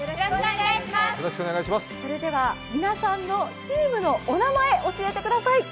それでは皆さんのチームのお名前、教えてください。